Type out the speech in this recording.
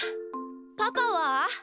パパは？